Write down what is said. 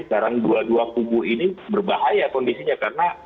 sekarang dua dua kubu ini berbahaya kondisinya karena